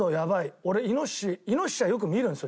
俺イノシシイノシシはよく見るんですよ